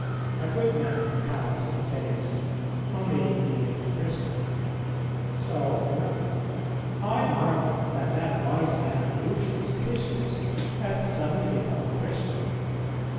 'A good man Caius Seius, only he is a Christian.' So another, 'I marvel that that wise man Lucius Titius hath suddenly become a Christian.'